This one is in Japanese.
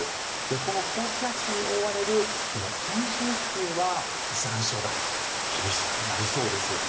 この高気圧に覆われる本州付近は残暑が厳しくなりそうです。